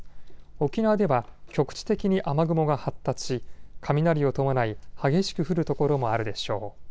沖縄では局地的に雨雲が発達し雷を伴い激しく降る所もあるでしょう。